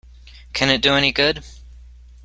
Can it do any good?